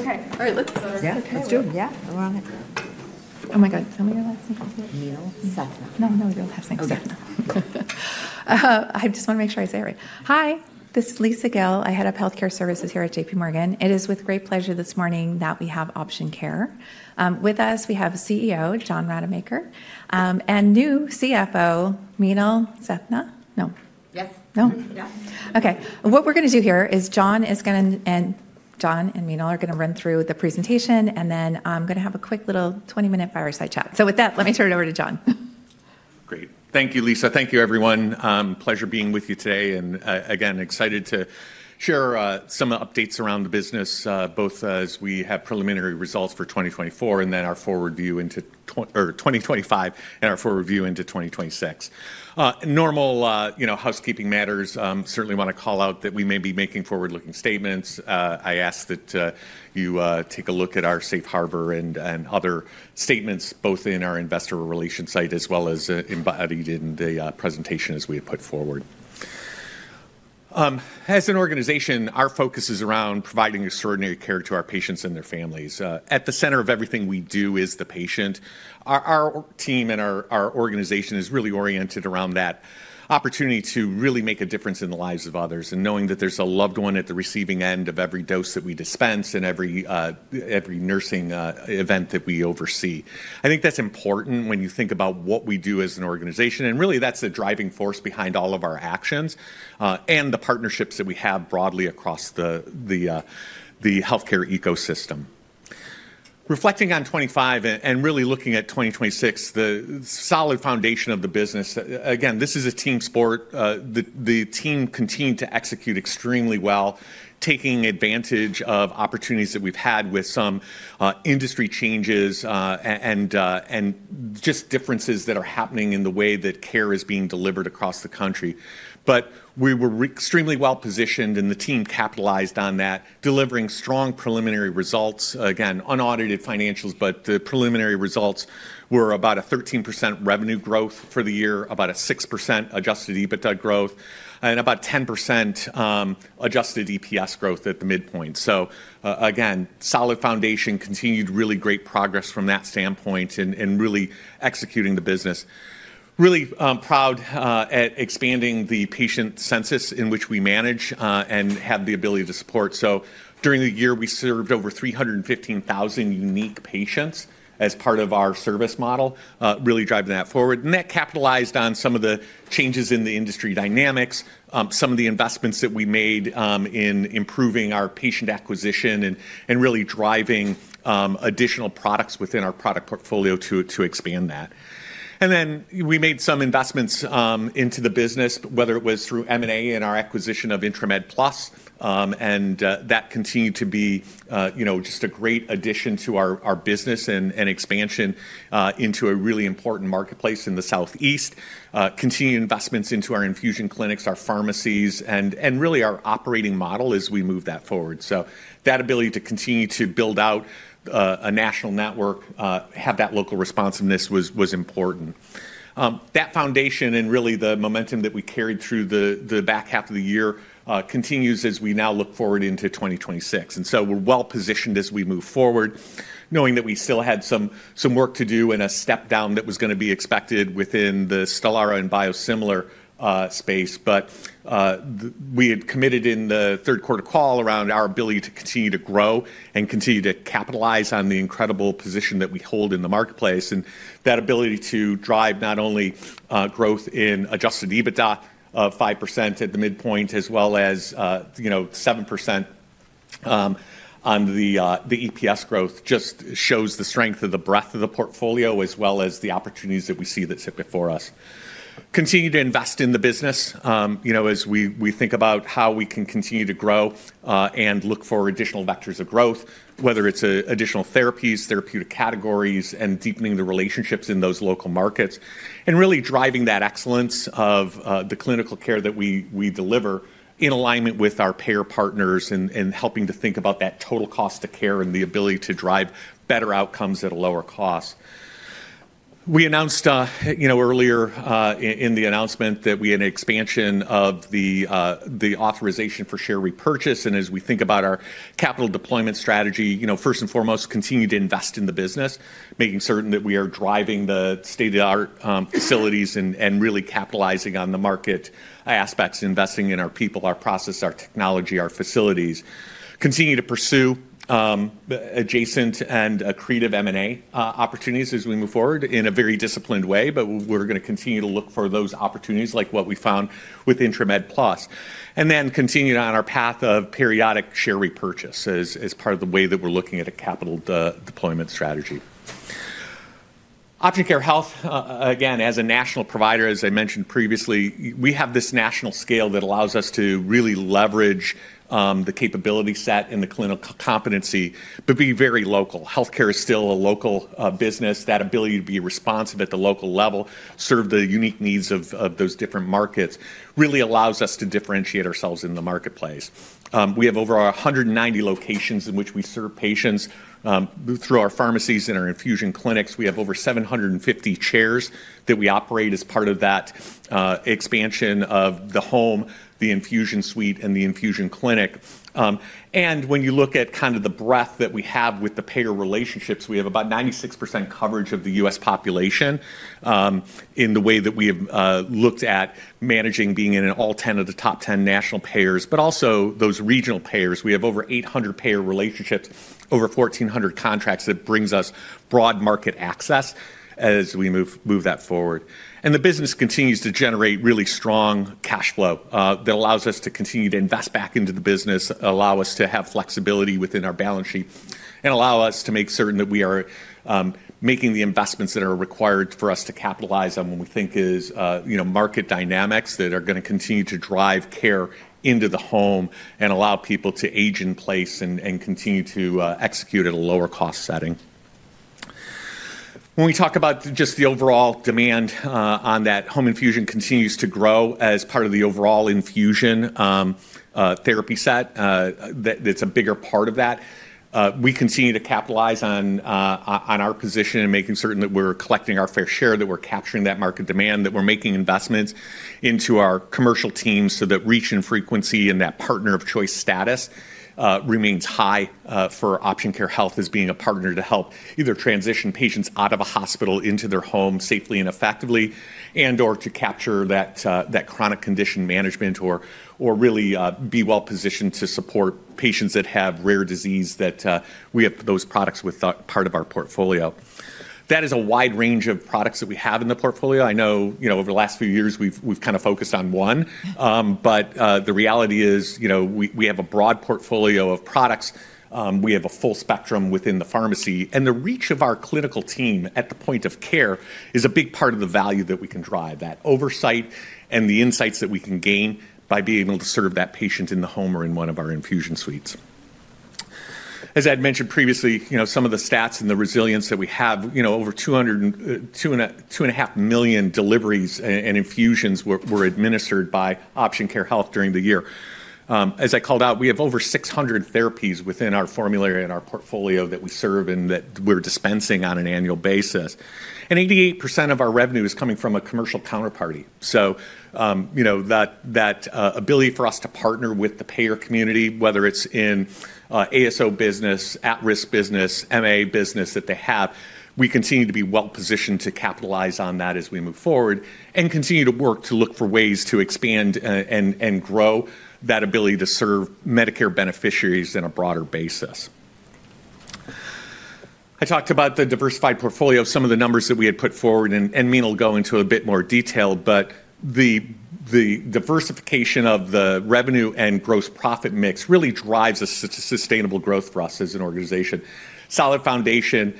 Okay. All right. Let's start. Yeah, let's do it. Yeah, we're on it. Oh my God, tell me your last name again. Minal Sethna. No, no, your last name's Sethna Okay. I just want to make sure I say it right. Hi, this is Lisa Gill. I head up healthcare services here at J.P. Morgan. It is with great pleasure this morning that we have Option Care with us. We have CEO John Rademacher and new CFO, Minal Sethna? No. Yes. No? Yeah. Okay. What we're going to do here is John is going to, and John and Minal are going to run through the presentation, and then I'm going to have a quick little 20-minute fireside chat. So with that, let me turn it over to John. Great. Thank you, Lisa. Thank you, everyone. Pleasure being with you today, and again, excited to share some updates around the business, both as we have preliminary results for 2024 and then our forward view into 2025 and our forward view into 2026. Normal housekeeping matters. Certainly want to call out that we may be making forward-looking statements. I ask that you take a look at our Safe Harbor and other statements, both in our investor relations site as well as embedded in the presentation as we have put forward. As an organization, our focus is around providing extraordinary care to our patients and their families. At the center of everything we do is the patient. Our team and our organization is really oriented around that opportunity to really make a difference in the lives of others and knowing that there's a loved one at the receiving end of every dose that we dispense and every nursing event that we oversee. I think that's important when you think about what we do as an organization, and really, that's the driving force behind all of our actions and the partnerships that we have broadly across the healthcare ecosystem. Reflecting on 2025 and really looking at 2026, the solid foundation of the business, again, this is a team sport. The team continued to execute extremely well, taking advantage of opportunities that we've had with some industry changes and just differences that are happening in the way that care is being delivered across the country. But we were extremely well positioned, and the team capitalized on that, delivering strong preliminary results. Again, unaudited financials, but the preliminary results were about a 13% revenue growth for the year, about a 6% Adjusted EBITDA growth, and about 10% Adjusted EPS growth at the midpoint. So again, solid foundation, continued really great progress from that standpoint in really executing the business. Really proud at expanding the patient census in which we manage and have the ability to support. So during the year, we served over 315,000 unique patients as part of our service model, really driving that forward. And that capitalized on some of the changes in the industry dynamics, some of the investments that we made in improving our patient acquisition and really driving additional products within our product portfolio to expand that. And then we made some investments into the business, whether it was through M&A and our acquisition of Intramed Plus. And that continued to be just a great addition to our business and expansion into a really important marketplace in the Southeast. Continued investments into our infusion clinics, our pharmacies, and really our operating model as we move that forward. So that ability to continue to build out a national network, have that local responsiveness was important. That foundation and really the momentum that we carried through the back half of the year continues as we now look forward into 2026. And so we're well positioned as we move forward, knowing that we still had some work to do and a step down that was going to be expected within the Stelara and biosimilar space. But we had committed in the third quarter call around our ability to continue to grow and continue to capitalize on the incredible position that we hold in the marketplace. And that ability to drive not only growth in Adjusted EBITDA of 5% at the midpoint, as well as 7% on the EPS growth, just shows the strength of the breadth of the portfolio, as well as the opportunities that we see that sit before us. Continue to invest in the business as we think about how we can continue to grow and look for additional vectors of growth, whether it's additional therapies, therapeutic categories, and deepening the relationships in those local markets, and really driving that excellence of the clinical care that we deliver in alignment with our payer partners and helping to think about that total cost of care and the ability to drive better outcomes at a lower cost. We announced earlier in the announcement that we had an expansion of the authorization for share repurchase. And as we think about our capital deployment strategy, first and foremost, continue to invest in the business, making certain that we are driving the state-of-the-art facilities and really capitalizing on the market aspects, investing in our people, our process, our technology, our facilities. Continue to pursue adjacent and creative M&A opportunities as we move forward in a very disciplined way, but we're going to continue to look for those opportunities like what we found with Intramed Plus, and then continue on our path of periodic share repurchase as part of the way that we're looking at a capital deployment strategy. Option Care Health, again, as a national provider, as I mentioned previously, we have this national scale that allows us to really leverage the capability set and the clinical competency, but be very local. Healthcare is still a local business. That ability to be responsive at the local level, serve the unique needs of those different markets, really allows us to differentiate ourselves in the marketplace. We have over 190 locations in which we serve patients through our pharmacies and our infusion clinics. We have over 750 chairs that we operate as part of that expansion of the home, the infusion suite, and the infusion clinic, and when you look at kind of the breadth that we have with the payer relationships, we have about 96% coverage of the U.S. population in the way that we have looked at managing being in an all 10 of the top 10 national payers, but also those regional payers. We have over 800 payer relationships, over 1,400 contracts that brings us broad market access as we move that forward. And the business continues to generate really strong cash flow that allows us to continue to invest back into the business, allow us to have flexibility within our balance sheet, and allow us to make certain that we are making the investments that are required for us to capitalize on what we think is market dynamics that are going to continue to drive care into the home and allow people to age in place and continue to execute at a lower cost setting. When we talk about just the overall demand on that, home infusion continues to grow as part of the overall infusion therapy set that's a bigger part of that. We continue to capitalize on our position and making certain that we're collecting our fair share, that we're capturing that market demand, that we're making investments into our commercial teams so that reach and frequency and that partner of choice status remains high for Option Care Health as being a partner to help either transition patients out of a hospital into their home safely and effectively and/or to capture that chronic condition management or really be well positioned to support patients that have rare disease that we have those products with part of our portfolio. That is a wide range of products that we have in the portfolio. I know over the last few years, we've kind of focused on one, but the reality is we have a broad portfolio of products. We have a full spectrum within the pharmacy. And the reach of our clinical team at the point of care is a big part of the value that we can drive, that oversight and the insights that we can gain by being able to serve that patient in the home or in one of our infusion suites. As I had mentioned previously, some of the stats and the resilience that we have, over 200, 2.5 million deliveries and infusions were administered by Option Care Health during the year. As I called out, we have over 600 therapies within our formulary and our portfolio that we serve and that we're dispensing on an annual basis. And 88% of our revenue is coming from a commercial counterparty. So, that ability for us to partner with the payer community, whether it's in ASO business, at-risk business, MA business that they have, we continue to be well positioned to capitalize on that as we move forward and continue to work to look for ways to expand and grow that ability to serve Medicare beneficiaries on a broader basis. I talked about the diversified portfolio, some of the numbers that we had put forward, and Minal will go into a bit more detail, but the diversification of the revenue and gross profit mix really drives a sustainable growth for us as an organization. Solid foundation,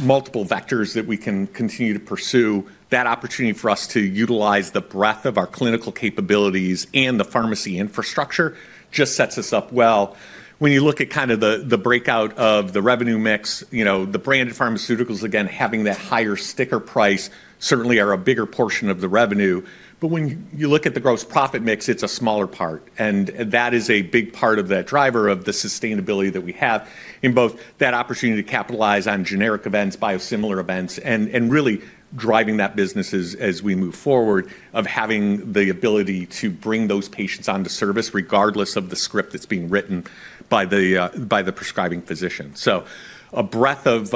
multiple vectors that we can continue to pursue. That opportunity for us to utilize the breadth of our clinical capabilities and the pharmacy infrastructure just sets us up well. When you look at kind of the breakout of the revenue mix, the branded pharmaceuticals, again, having that higher sticker price certainly are a bigger portion of the revenue. But when you look at the gross profit mix, it's a smaller part. And that is a big part of that driver of the sustainability that we have in both that opportunity to capitalize on generic events, biosimilar events, and really driving that business as we move forward of having the ability to bring those patients onto service regardless of the script that's being written by the prescribing physician, so a breadth of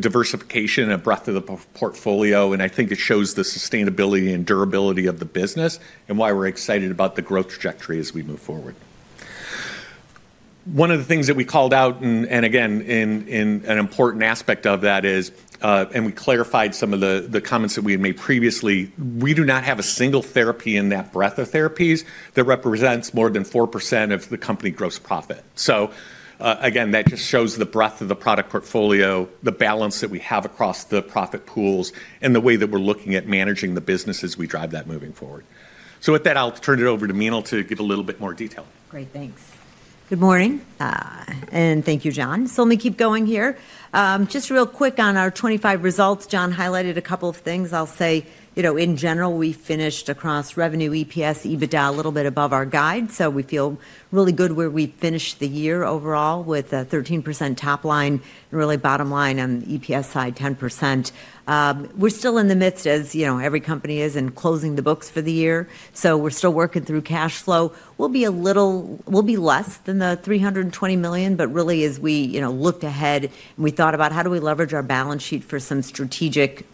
diversification, a breadth of the portfolio, and I think it shows the sustainability and durability of the business and why we're excited about the growth trajectory as we move forward. One of the things that we called out, and again, an important aspect of that is, and we clarified some of the comments that we had made previously, we do not have a single therapy in that breadth of therapies that represents more than 4% of the company gross profit. So again, that just shows the breadth of the product portfolio, the balance that we have across the profit pools, and the way that we're looking at managing the business as we drive that moving forward. So with that, I'll turn it over to Minal to give a little bit more detail. Great. Thanks. Good morning and thank you, John. So let me keep going here. Just real quick on our 2025 results, John highlighted a couple of things. I'll say in general, we finished across revenue, EPS, EBITDA a little bit above our guide. So we feel really good where we finished the year overall with a 13% top line and really bottom line on the EPS side 10%. We're still in the midst, as every company is, in closing the books for the year. So we're still working through cash flow. We'll be less than the $320 million, but really as we looked ahead and we thought about how do we leverage our balance sheet for some strategic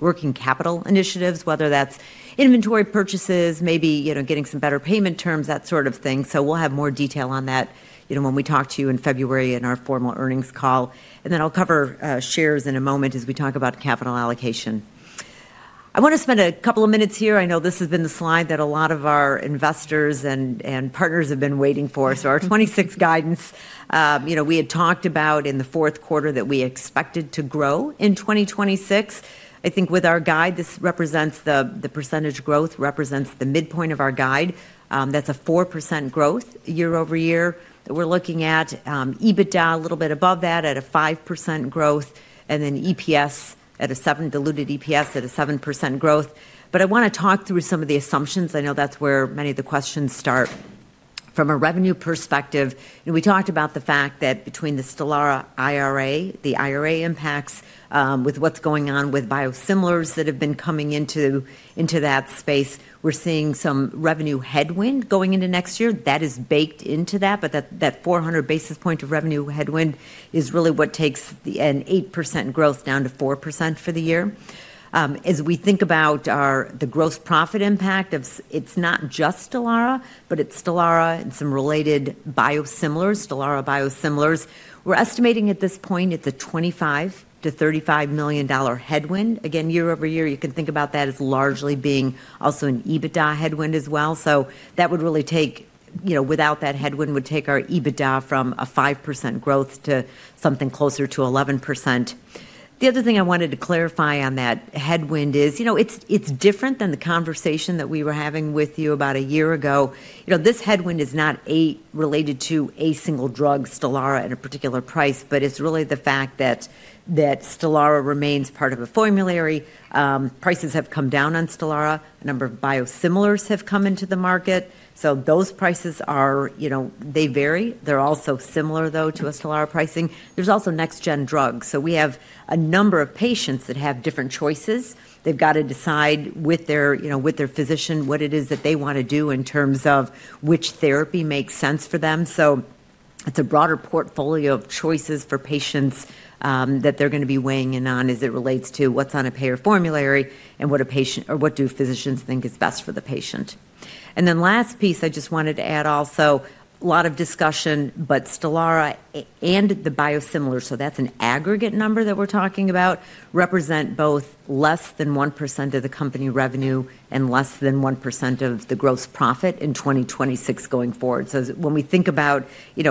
working capital initiatives, whether that's inventory purchases, maybe getting some better payment terms, that sort of thing. So we'll have more detail on that when we talk to you in February in our formal earnings call. And then I'll cover shares in a moment as we talk about capital allocation. I want to spend a couple of minutes here. I know this has been the slide that a lot of our investors and partners have been waiting for. So our 2026 guidance, we had talked about in the fourth quarter that we expected to grow in 2026. I think with our guide, this represents the percentage growth, represents the midpoint of our guide. That's a 4% growth year over year that we're looking at. EBITDA a little bit above that at a 5% growth, and then EPS at a 7%, diluted EPS at a 7% growth. But I want to talk through some of the assumptions. I know that's where many of the questions start. From a revenue perspective, we talked about the fact that between the Stelara IRA, the IRA impacts with what's going on with biosimilars that have been coming into that space, we're seeing some revenue headwind going into next year. That is baked into that, but that 400 basis point of revenue headwind is really what takes an 8% growth down to 4% for the year. As we think about the gross profit impact of, it's not just Stelara, but it's Stelara and some related biosimilars, Stelara biosimilars. We're estimating at this point at the $25-$35 million headwind. Again, year over year, you can think about that as largely being also an EBITDA headwind as well. So that would really take, without that headwind, would take our EBITDA from a 5% growth to something closer to 11%. The other thing I wanted to clarify on that headwind is it's different than the conversation that we were having with you about a year ago. This headwind is not related to a single drug, Stelara, at a particular price, but it's really the fact that Stelara remains part of a formulary. Prices have come down on Stelara. A number of biosimilars have come into the market. So those prices are, they vary. They're also similar, though, to a Stelara pricing. There's also next-gen drugs. So we have a number of patients that have different choices. They've got to decide with their physician what it is that they want to do in terms of which therapy makes sense for them. So it's a broader portfolio of choices for patients that they're going to be weighing in on as it relates to what's on a payer formulary and what do physicians think is best for the patient. And then last piece, I just wanted to add also, a lot of discussion, but Stelara and the biosimilars, so that's an aggregate number that we're talking about, represent both less than 1% of the company revenue and less than 1% of the gross profit in 2026 going forward. So when we think about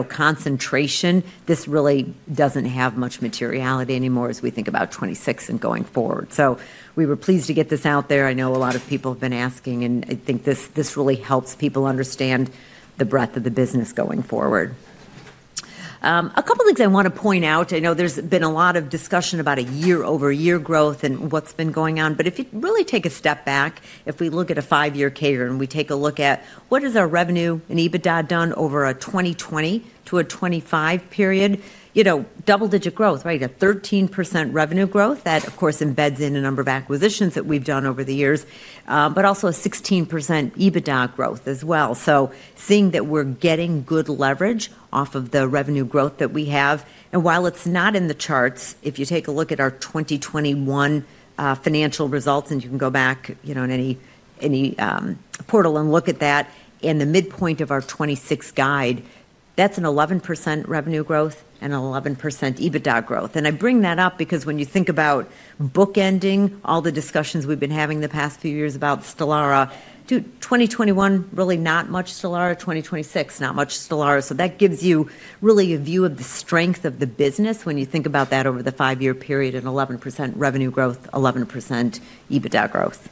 concentration, this really doesn't have much materiality anymore as we think about 2026 and going forward. So we were pleased to get this out there. I know a lot of people have been asking, and I think this really helps people understand the breadth of the business going forward. A couple of things I want to point out. I know there's been a lot of discussion about a year-over-year growth and what's been going on, but if you really take a step back, if we look at a five-year CAGR and we take a look at what has our revenue and EBITDA done over a 2020 to a 2025 period, double-digit growth, right? A 13% revenue growth that, of course, embeds in a number of acquisitions that we've done over the years, but also a 16% EBITDA growth as well. So seeing that we're getting good leverage off of the revenue growth that we have. And while it's not in the charts, if you take a look at our 2021 financial results, and you can go back in any portal and look at that, in the midpoint of our 2026 guide, that's an 11% revenue growth and an 11% EBITDA growth. And I bring that up because when you think about bookending all the discussions we've been having the past few years about Stelara, 2021, really not much Stelara, 2026, not much Stelara. So that gives you really a view of the strength of the business when you think about that over the five-year period and 11% revenue growth, 11% EBITDA growth.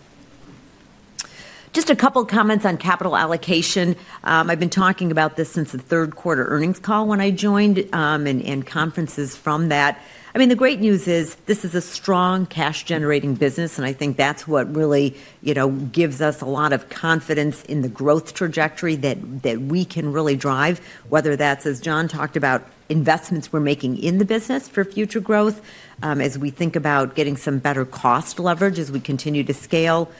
Just a couple of comments on capital allocation. I've been talking about this since the third quarter earnings call when I joined and conferences from that. I mean, the great news is this is a strong cash-generating business, and I think that's what really gives us a lot of confidence in the growth trajectory that we can really drive, whether that's, as John talked about, investments we're making in the business for future growth as we think about getting some better cost leverage as we continue to scale.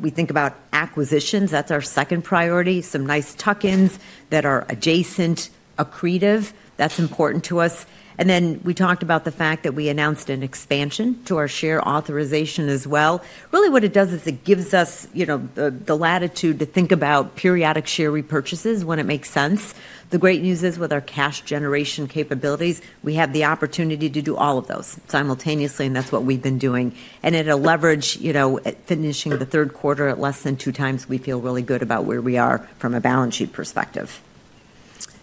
We think about acquisitions. That's our second priority. Some nice tuck-ins that are adjacent, accretive. That's important to us. And then we talked about the fact that we announced an expansion to our share authorization as well. Really, what it does is it gives us the latitude to think about periodic share repurchases when it makes sense. The great news is with our cash generation capabilities, we have the opportunity to do all of those simultaneously, and that's what we've been doing. And it'll leverage finishing the third quarter at less than two times. We feel really good about where we are from a balance sheet perspective.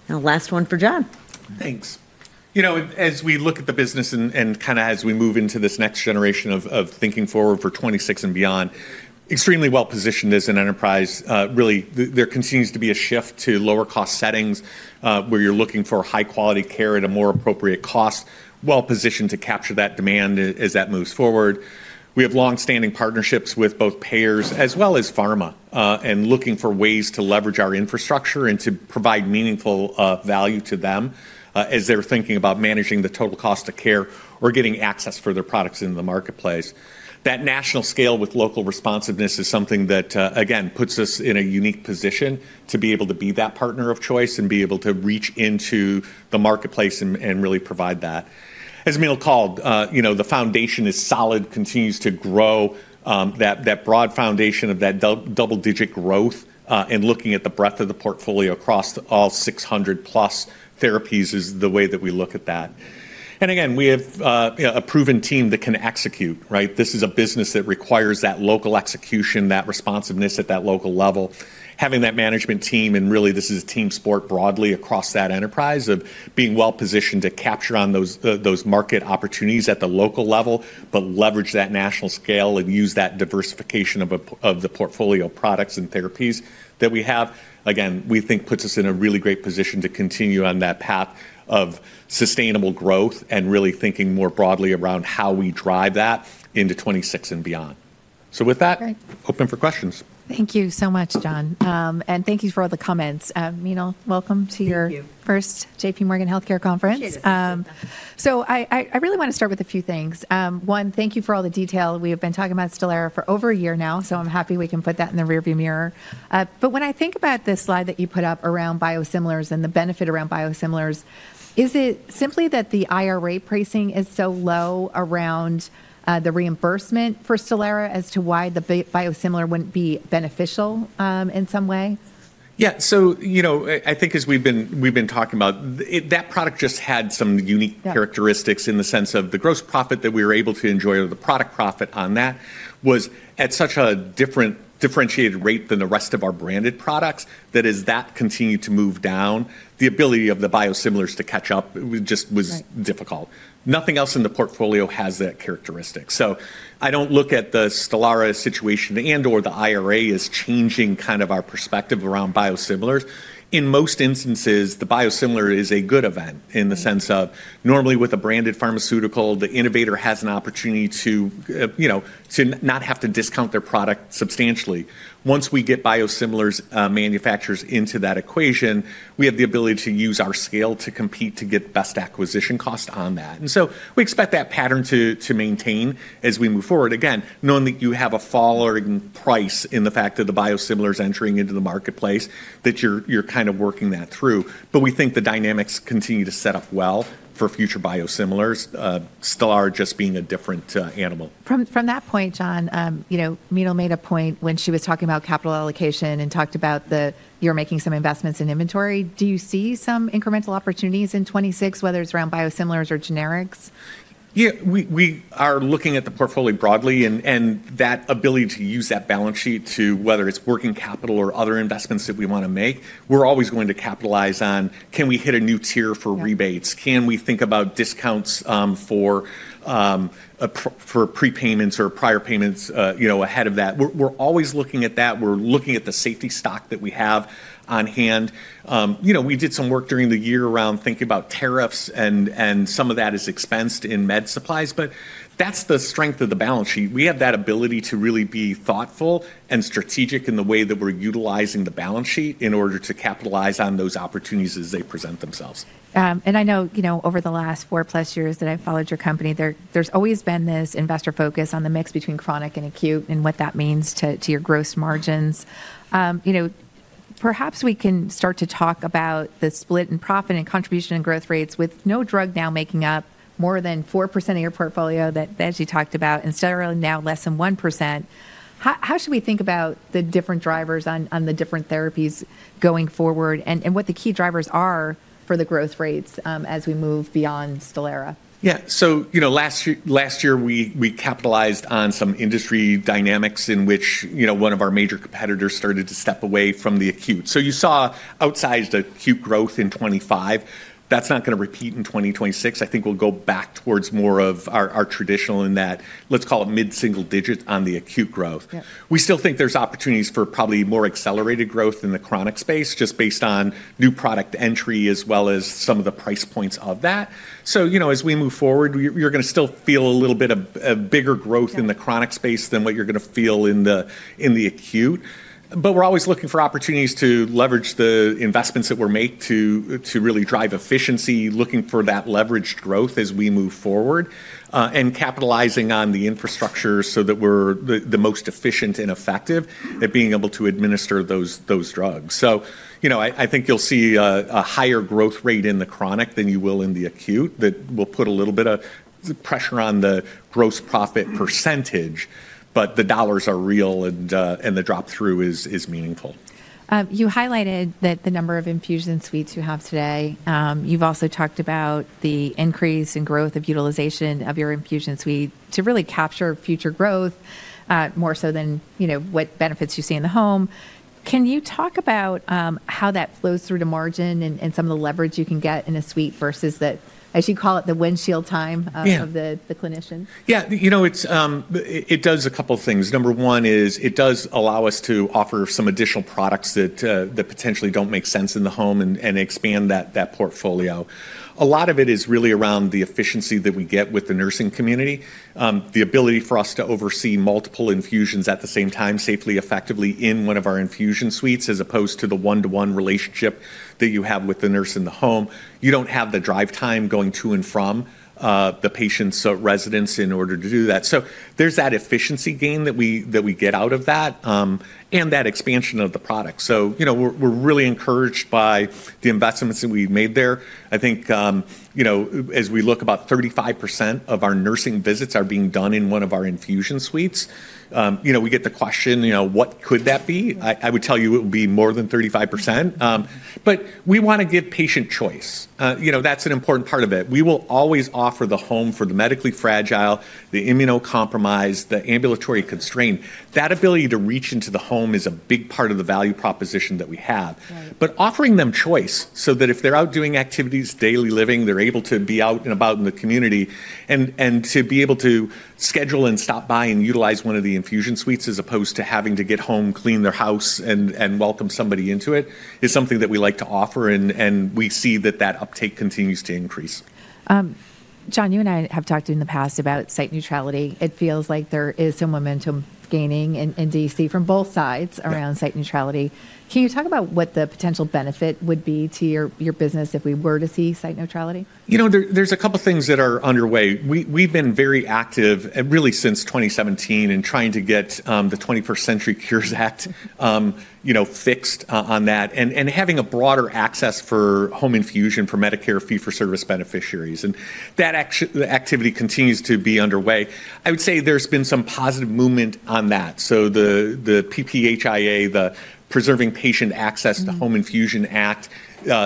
And last one for John. Thanks. As we look at the business and kind of as we move into this next generation of thinking forward for 2026 and beyond, extremely well positioned as an enterprise. Really, there continues to be a shift to lower-cost settings where you're looking for high-quality care at a more appropriate cost, well positioned to capture that demand as that moves forward. We have long-standing partnerships with both payers as well as pharma and looking for ways to leverage our infrastructure and to provide meaningful value to them as they're thinking about managing the total cost of care or getting access for their products in the marketplace. That national scale with local responsiveness is something that, again, puts us in a unique position to be able to be that partner of choice and be able to reach into the marketplace and really provide that. As Minal called, the foundation is solid, continues to grow, that broad foundation of that double-digit growth and looking at the breadth of the portfolio across all 600-plus therapies is the way that we look at that. And again, we have a proven team that can execute, right? This is a business that requires that local execution, that responsiveness at that local level. Having that management team, and really, this is a team sport broadly across that enterprise of being well positioned to capture on those market opportunities at the local level, but leverage that national scale and use that diversification of the portfolio products and therapies that we have, again, we think puts us in a really great position to continue on that path of sustainable growth and really thinking more broadly around how we drive that into 2026 and beyond. So with that, open for questions. Thank you so much, John. And thank you for all the comments. Minal, welcome to your first J.P. Morgan Healthcare Conference. Cheers. So I really want to start with a few things. One, thank you for all the detail. We have been talking about Stelara for over a year now, so I'm happy we can put that in the rearview mirror. But when I think about this slide that you put up around biosimilars and the benefit around biosimilars, is it simply that the IRA pricing is so low around the reimbursement for Stelara as to why the biosimilar wouldn't be beneficial in some way? Yeah. So I think as we've been talking about, that product just had some unique characteristics in the sense of the gross profit that we were able to enjoy, or the product profit on that was at such a different differentiated rate than the rest of our branded products, that as that continued to move down, the ability of the biosimilars to catch up just was difficult. Nothing else in the portfolio has that characteristic, so I don't look at the Stelara situation and/or the IRA as changing kind of our perspective around biosimilars. In most instances, the biosimilar is a good event in the sense of normally with a branded pharmaceutical, the innovator has an opportunity to not have to discount their product substantially. Once we get biosimilars manufacturers into that equation, we have the ability to use our scale to compete to get best acquisition cost on that. And so we expect that pattern to maintain as we move forward. Again, knowing that you have a fall in price in the fact that the biosimilars entering into the marketplace, that you're kind of working that through. But we think the dynamics continue to set up well for future biosimilars, Stelara just being a different animal. From that point, John, Minal made a point when she was talking about capital allocation and talked about they're making some investments in inventory. Do you see some incremental opportunities in 2026, whether it's around biosimilars or generics? Yeah. We are looking at the portfolio broadly and that ability to use that balance sheet to whether it's working capital or other investments that we want to make. We're always going to capitalize on, can we hit a new tier for rebates? Can we think about discounts for prepayments or prior payments ahead of that? We're always looking at that. We're looking at the safety stock that we have on hand. We did some work during the year around thinking about tariffs, and some of that is expensed in med supplies, but that's the strength of the balance sheet. We have that ability to really be thoughtful and strategic in the way that we're utilizing the balance sheet in order to capitalize on those opportunities as they present themselves. And I know over the last four-plus years that I've followed your company, there's always been this investor focus on the mix between chronic and acute and what that means to your gross margins. Perhaps we can start to talk about the split in profit and contribution and growth rates with no drug now making up more than 4% of your portfolio that she talked about and Stelara now less than 1%. How should we think about the different drivers on the different therapies going forward and what the key drivers are for the growth rates as we move beyond Stelara? Yeah. Last year, we capitalized on some industry dynamics in which one of our major competitors started to step away from the acute. You saw outsized acute growth in 2025. That's not going to repeat in 2026. I think we'll go back towards more of our traditional in that, let's call it mid-single digit on the acute growth. We still think there's opportunities for probably more accelerated growth in the chronic space just based on new product entry as well as some of the price points of that. As we move forward, you're going to still feel a little bit of bigger growth in the chronic space than what you're going to feel in the acute. But we're always looking for opportunities to leverage the investments that we're made to really drive efficiency, looking for that leveraged growth as we move forward and capitalizing on the infrastructure so that we're the most efficient and effective at being able to administer those drugs. So I think you'll see a higher growth rate in the chronic than you will in the acute that will put a little bit of pressure on the gross profit percentage, but the dollars are real and the drop-through is meaningful. You highlighted that the number of infusion suites you have today. You've also talked about the increase in growth of utilization of your infusion suite to really capture future growth more so than what benefits you see in the home. Can you talk about how that flows through to margin and some of the leverage you can get in a suite versus that, as you call it, the windshield time of the clinician? Yeah. It does a couple of things. Number one is it does allow us to offer some additional products that potentially don't make sense in the home and expand that portfolio. A lot of it is really around the efficiency that we get with the nursing community, the ability for us to oversee multiple infusions at the same time safely, effectively in one of our infusion suites as opposed to the one-to-one relationship that you have with the nurse in the home. You don't have the drive time going to and from the patient's residence in order to do that. So there's that efficiency gain that we get out of that and that expansion of the product. So we're really encouraged by the investments that we've made there. I think as we look, about 35% of our nursing visits are being done in one of our infusion suites. We get the question, what could that be? I would tell you it would be more than 35%. But we want to give patient choice. That's an important part of it. We will always offer the home for the medically fragile, the immunocompromised, the ambulatory constrained. That ability to reach into the home is a big part of the value proposition that we have. But offering them choice so that if they're out doing activities, daily living, they're able to be out and about in the community and to be able to schedule and stop by and utilize one of the infusion suites as opposed to having to get home, clean their house, and welcome somebody into it is something that we like to offer, and we see that that uptake continues to increase. John, you and I have talked in the past about site neutrality. It feels like there is some momentum gaining in D.C. from both sides around site neutrality. Can you talk about what the potential benefit would be to your business if we were to see site neutrality? There's a couple of things that are underway. We've been very active really since 2017 in trying to get the 21st Century Cures Act fixed on that and having a broader access for home infusion for Medicare Fee-For-Service beneficiaries. And that activity continues to be underway. I would say there's been some positive movement on that. So the PPHIA, the Preserving Patient Access to Home Infusion Act,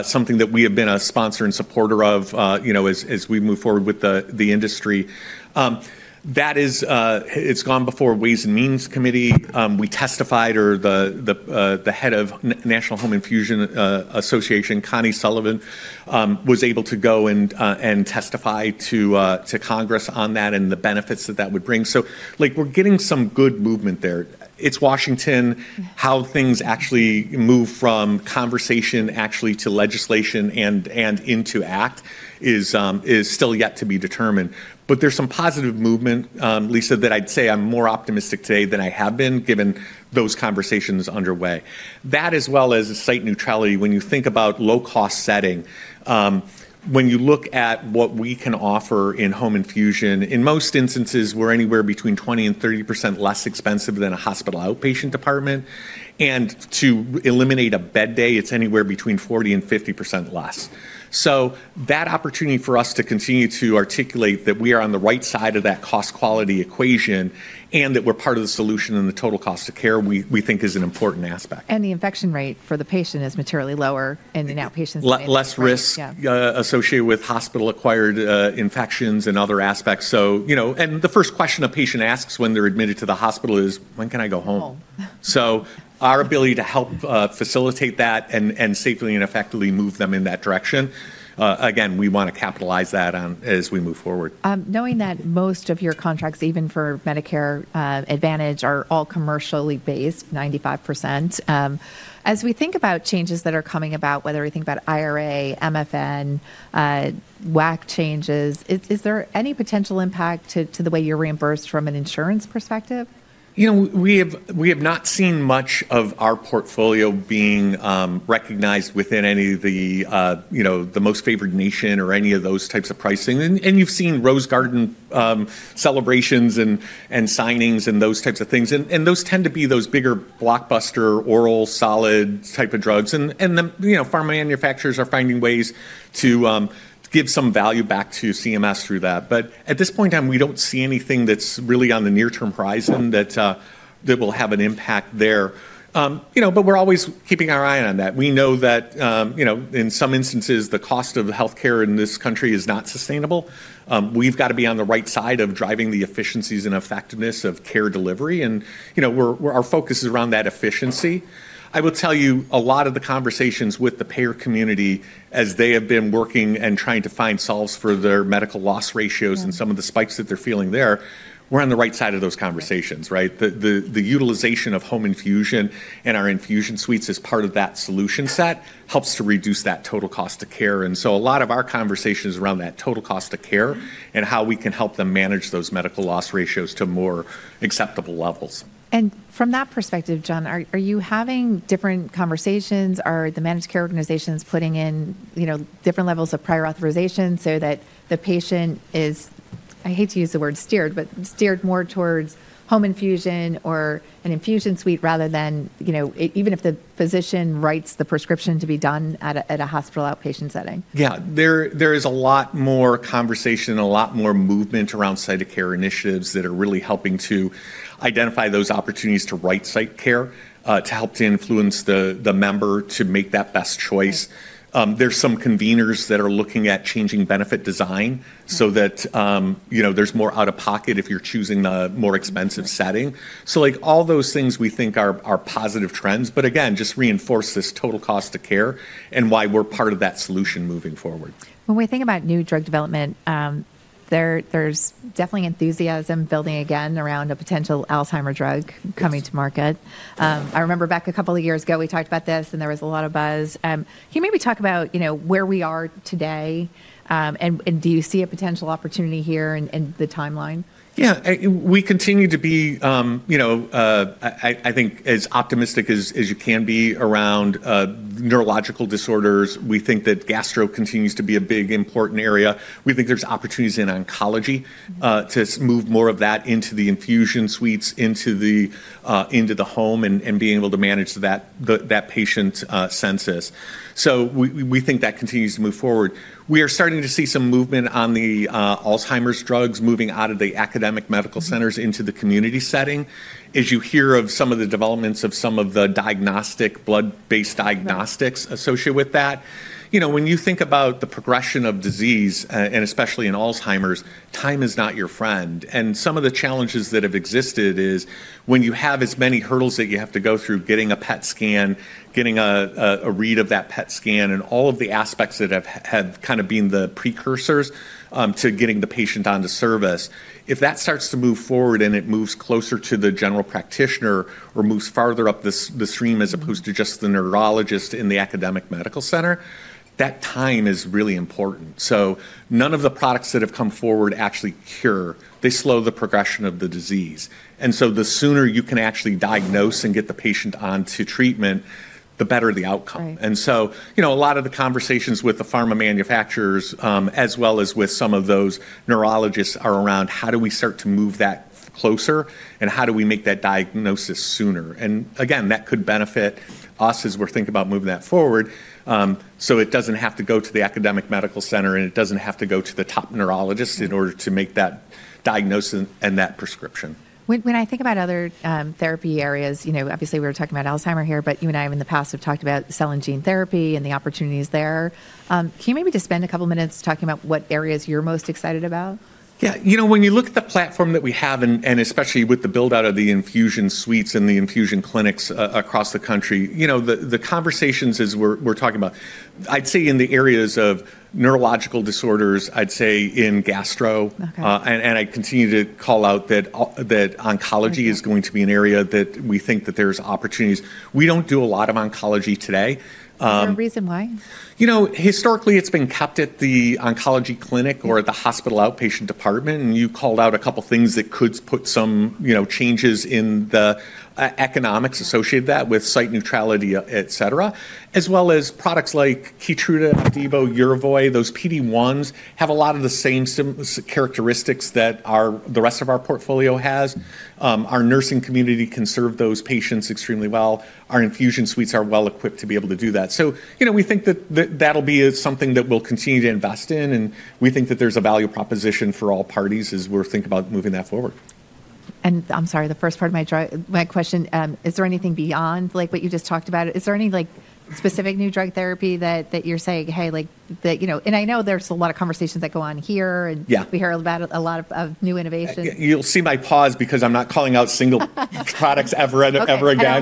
something that we have been a sponsor and supporter of as we move forward with the industry. It's gone before Ways and Means Committee. We testified or the head of National Home Infusion Association, Connie Sullivan, was able to go and testify to Congress on that and the benefits that that would bring. So we're getting some good movement there. It's Washington. How things actually move from conversation actually to legislation and into act is still yet to be determined. But there's some positive movement, Lisa, that I'd say I'm more optimistic today than I have been given those conversations underway. That as well as site neutrality, when you think about low-cost setting, when you look at what we can offer in home infusion, in most instances, we're anywhere between 20% and 30% less expensive than a hospital outpatient department. And to eliminate a bed day, it's anywhere between 40% and 50% less. So that opportunity for us to continue to articulate that we are on the right side of that cost-quality equation and that we're part of the solution and the total cost of care, we think is an important aspect. The infection rate for the patient is materially lower in the outpatient setting. Less risk associated with hospital-acquired infections and other aspects, and the first question a patient asks when they're admitted to the hospital is, "When can I go home?" so our ability to help facilitate that and safely and effectively move them in that direction, again, we want to capitalize that as we move forward. Knowing that most of your contracts, even for Medicare Advantage, are all commercially based, 95%, as we think about changes that are coming about, whether we think about IRA, MFN, WAC changes, is there any potential impact to the way you're reimbursed from an insurance perspective? We have not seen much of our portfolio being recognized within any of the Most Favored Nation or any of those types of pricing, and you've seen Rose Garden celebrations and signings and those types of things. Those tend to be those bigger blockbuster oral solid type of drugs, and pharma manufacturers are finding ways to give some value back to CMS through that. But at this point in time, we don't see anything that's really on the near-term horizon that will have an impact there, but we're always keeping our eye on that. We know that in some instances, the cost of healthcare in this country is not sustainable. We've got to be on the right side of driving the efficiencies and effectiveness of care delivery, and our focus is around that efficiency. I will tell you a lot of the conversations with the payer community as they have been working and trying to find solves for their medical loss ratios and some of the spikes that they're feeling there, we're on the right side of those conversations, right? The utilization of home infusion and our infusion suites as part of that solution set helps to reduce that total cost of care. And so a lot of our conversations around that total cost of care and how we can help them manage those medical loss ratios to more acceptable levels. And from that perspective, John, are you having different conversations? Are the managed care organizations putting in different levels of prior authorization so that the patient is, I hate to use the word steered, but steered more towards home infusion or an infusion suite rather than even if the physician writes the prescription to be done at a hospital outpatient setting? Yeah. There is a lot more conversation and a lot more movement around site of care initiatives that are really helping to identify those opportunities to right site of care to help to influence the member to make that best choice. There's some conveners that are looking at changing benefit design so that there's more out of pocket if you're choosing the more expensive setting. So all those things we think are positive trends, but again, just reinforce this total cost of care and why we're part of that solution moving forward. When we think about new drug development, there's definitely enthusiasm building again around a potential Alzheimer's drug coming to market. I remember back a couple of years ago, we talked about this and there was a lot of buzz. Can you maybe talk about where we are today and do you see a potential opportunity here and the timeline? Yeah. We continue to be, I think, as optimistic as you can be around neurological disorders. We think that gastro continues to be a big important area. We think there's opportunities in oncology to move more of that into the infusion suites, into the home and being able to manage that patient census. So we think that continues to move forward. We are starting to see some movement on the Alzheimer's drugs moving out of the academic medical centers into the community setting as you hear of some of the developments of some of the diagnostic blood-based diagnostics associated with that. When you think about the progression of disease, and especially in Alzheimer's, time is not your friend. And some of the challenges that have existed is when you have as many hurdles that you have to go through getting a PET scan, getting a read of that PET scan, and all of the aspects that have kind of been the precursors to getting the patient onto service. If that starts to move forward and it moves closer to the general practitioner or moves farther up the stream as opposed to just the neurologist in the academic medical center, that time is really important. So none of the products that have come forward actually cure. They slow the progression of the disease. And so the sooner you can actually diagnose and get the patient onto treatment, the better the outcome. So a lot of the conversations with the pharma manufacturers as well as with some of those neurologists are around how do we start to move that closer and how do we make that diagnosis sooner. Again, that could benefit us as we're thinking about moving that forward so it doesn't have to go to the academic medical center and it doesn't have to go to the top neurologist in order to make that diagnosis and that prescription. When I think about other therapy areas, obviously we were talking about Alzheimer's here, but you and I have in the past talked about cell and gene therapy and the opportunities there. Can you maybe just spend a couple of minutes talking about what areas you're most excited about? Yeah. When you look at the platform that we have and especially with the build-out of the infusion suites and the infusion clinics across the country, the conversations as we're talking about, I'd say in the areas of neurological disorders, I'd say in gastro. And I continue to call out that oncology is going to be an area that we think that there's opportunities. We don't do a lot of oncology today. The reason why? Historically, it's been kept at the oncology clinic or the hospital outpatient department. And you called out a couple of things that could put some changes in the economics associated with that with site neutrality, etc., as well as products like Keytruda, Opdivo, Yervoy. Those PD-1s have a lot of the same characteristics that the rest of our portfolio has. Our nursing community can serve those patients extremely well. Our infusion suites are well equipped to be able to do that. So we think that that'll be something that we'll continue to invest in. And we think that there's a value proposition for all parties as we're thinking about moving that forward. I'm sorry, the first part of my question, is there anything beyond what you just talked about? Is there any specific new drug therapy that you're saying, "Hey," and I know there's a lot of conversations that go on here and we hear about a lot of new innovations. You'll see my pause because I'm not calling out single products ever again.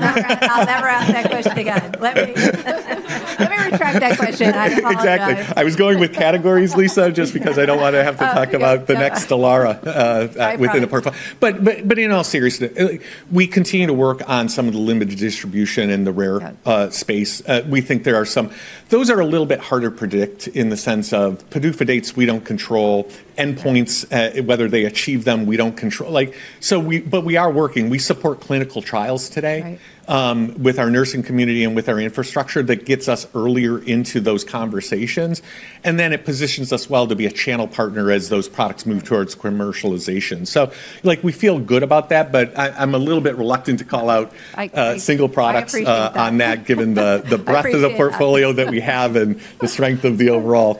I'll never ask that question again. Let me retract that question. Exactly. I was going with categories, Lisa, just because I don't want to have to talk about the next Stelara within a portfolio. But in all seriousness, we continue to work on some of the limited distribution in the rare space. We think there are some. Those are a little bit harder to predict in the sense of PDUFA dates we don't control, endpoints, whether they achieve them, we don't control. But we are working. We support clinical trials today with our nursing community and with our infrastructure that gets us earlier into those conversations. And then it positions us well to be a channel partner as those products move towards commercialization. So we feel good about that, but I'm a little bit reluctant to call out single products on that given the breadth of the portfolio that we have and the strength of the overall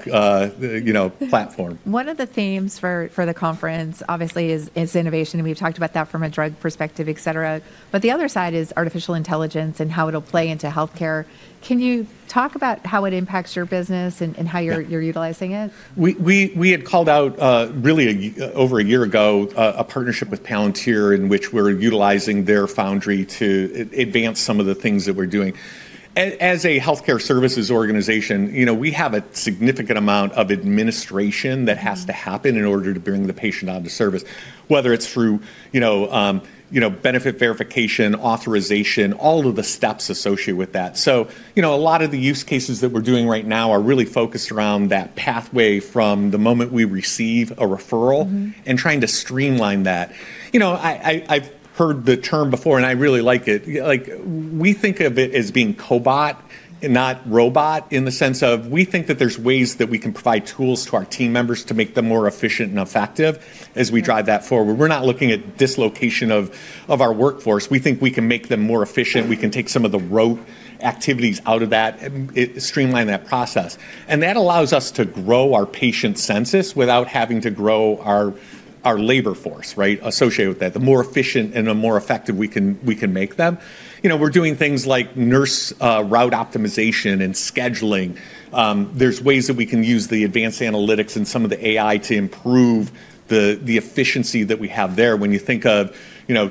platform. One of the themes for the conference, obviously, is innovation. And we've talked about that from a drug perspective, etc. But the other side is artificial intelligence and how it'll play into healthcare. Can you talk about how it impacts your business and how you're utilizing it? We had called out really over a year ago a partnership with Palantir in which we're utilizing their Foundry to advance some of the things that we're doing. As a healthcare services organization, we have a significant amount of administration that has to happen in order to bring the patient onto service, whether it's through benefit verification, authorization, all of the steps associated with that. So a lot of the use cases that we're doing right now are really focused around that pathway from the moment we receive a referral and trying to streamline that. I've heard the term before and I really like it. We think of it as being cobot and not robot in the sense of we think that there's ways that we can provide tools to our team members to make them more efficient and effective as we drive that forward. We're not looking at dislocation of our workforce. We think we can make them more efficient. We can take some of the rote activities out of that and streamline that process, and that allows us to grow our patient census without having to grow our labor force, right, associated with that. The more efficient and the more effective we can make them. We're doing things like nurse route optimization and scheduling. There's ways that we can use the advanced analytics and some of the AI to improve the efficiency that we have there. When you think of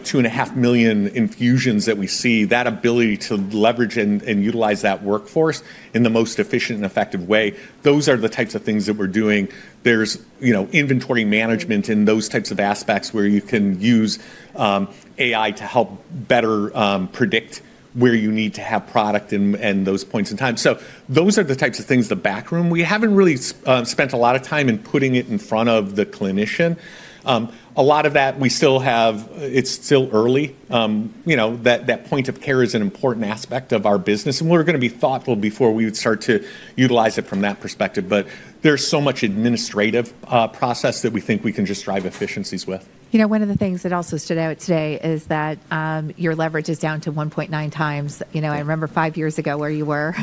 two and a half million infusions that we see, that ability to leverage and utilize that workforce in the most efficient and effective way, those are the types of things that we're doing. There's inventory management in those types of aspects where you can use AI to help better predict where you need to have product in those points in time, so those are the types of things, the backroom. We haven't really spent a lot of time in putting it in front of the clinician. A lot of that, we still have, it's still early. That point of care is an important aspect of our business, and we're going to be thoughtful before we would start to utilize it from that perspective, but there's so much administrative process that we think we can just drive efficiencies with. One of the things that also stood out today is that your leverage is down to 1.9 times. I remember five years ago where you were.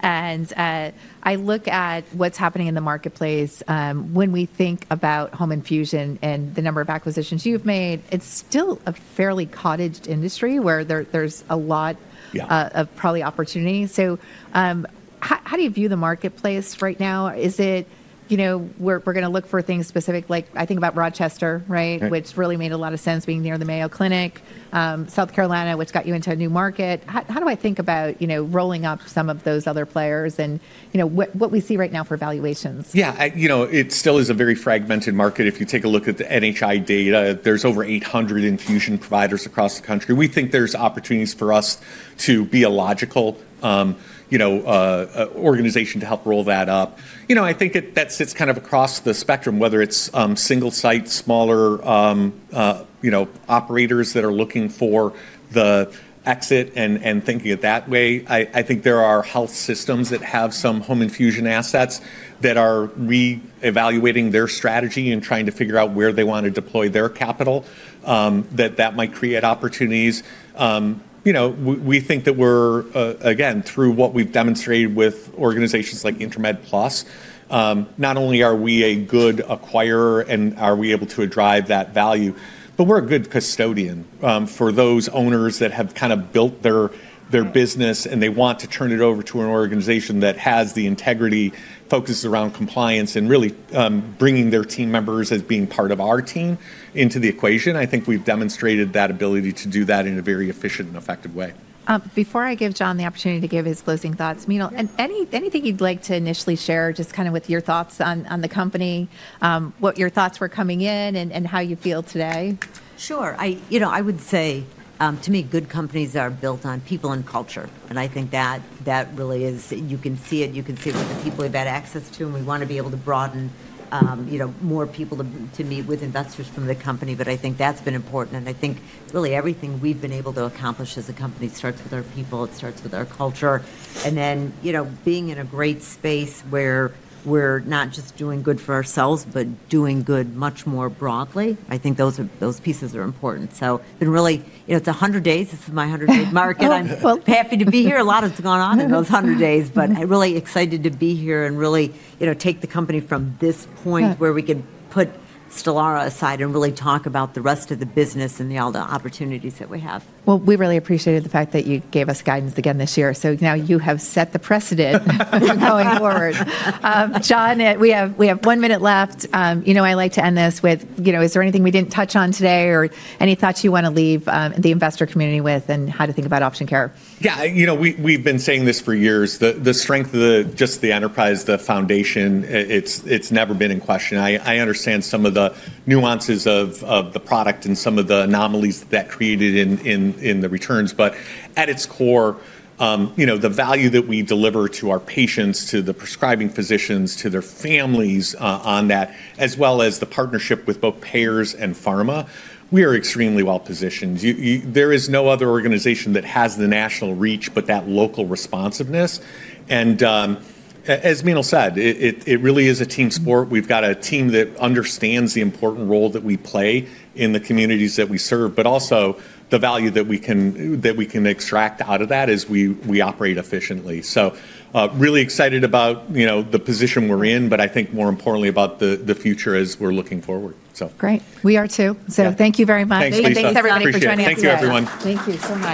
And I look at what's happening in the marketplace. When we think about home infusion and the number of acquisitions you've made, it's still a fairly cottage industry where there's a lot of probably opportunity. So how do you view the marketplace right now? Is it we're going to look for things specific, like I think about Rochester, right, which really made a lot of sense being near the Mayo Clinic, South Carolina, which got you into a new market? How do I think about rolling up some of those other players, and what we see right now for valuations? Yeah. It still is a very fragmented market. If you take a look at the NHIA data, there's over 800 infusion providers across the country. We think there's opportunities for us to be a logical organization to help roll that up. I think that sits kind of across the spectrum, whether it's single site, smaller operators that are looking for the exit and thinking it that way. I think there are health systems that have some home infusion assets that are reevaluating their strategy and trying to figure out where they want to deploy their capital that might create opportunities. We think that we're, again, through what we've demonstrated with organizations like Intramed Plus, not only are we a good acquirer and are we able to drive that value, but we're a good custodian for those owners that have kind of built their business and they want to turn it over to an organization that has the integrity focused around compliance and really bringing their team members as being part of our team into the equation. I think we've demonstrated that ability to do that in a very efficient and effective way. Before I give John the opportunity to give his closing thoughts, anything you'd like to initially share just kind of with your thoughts on the company, what your thoughts were coming in and how you feel today? Sure. I would say to me, good companies are built on people and culture, and I think that really is, you can see it. You can see what the people have had access to, and we want to be able to broaden more people to meet with investors from the company, but I think that's been important. And I think really everything we've been able to accomplish as a company starts with our people. It starts with our culture, and then being in a great space where we're not just doing good for ourselves, but doing good much more broadly, I think those pieces are important, so it's been really, it's 100 days. This is my 100-day mark, and I'm happy to be here. A lot has gone on in those 100 days, but I'm really excited to be here and really take the company from this point where we can put Stelara aside and really talk about the rest of the business and all the opportunities that we have. We really appreciated the fact that you gave us guidance again this year. Now you have set the precedent for going forward. John, we have one minute left. I like to end this with, is there anything we didn't touch on today or any thoughts you want to leave the investor community with and how to think about Option Care Health? Yeah. We've been saying this for years. The strength of just the enterprise, the foundation, it's never been in question. I understand some of the nuances of the product and some of the anomalies that created in the returns. But at its core, the value that we deliver to our patients, to the prescribing physicians, to their families on that, as well as the partnership with both payers and pharma, we are extremely well positioned. There is no other organization that has the national reach, but that local responsiveness. And as Minal said, it really is a team sport. We've got a team that understands the important role that we play in the communities that we serve, but also the value that we can extract out of that as we operate efficiently. So really excited about the position we're in, but I think more importantly about the future as we're looking forward. Great. We are too. So thank you very much. Thank you. Thank you everybody for joining us today. Thank you, everyone. Thank you so much.